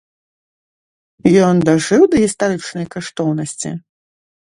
Ён дажыў да гістарычнай каштоўнасці?